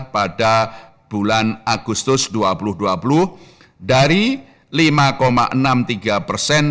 pada bulan agustus dua ribu dua puluh dari lima enam puluh tiga persen